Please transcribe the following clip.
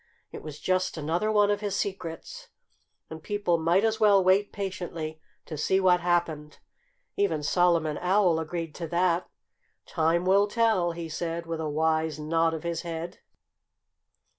It was just another one of his secrets. And people might as well wait patiently to see what happened. Even Solomon Owl agreed to that. "Time will tell!" he said with a wise nod of his head.